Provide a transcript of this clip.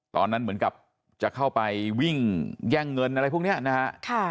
เหมือนกับจะเข้าไปวิ่งแย่งเงินอะไรพวกนี้นะฮะ